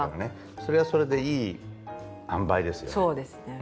それはそれでいいあんばいですよね。